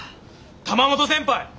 玉本先輩